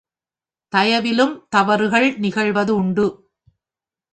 தயவிலும் தவறுகள் நிகழ்வது உண்டு.